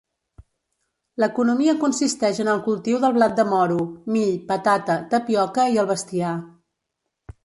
L'economia consisteix en el cultiu del blat de moro, mill, patata, tapioca i el bestiar.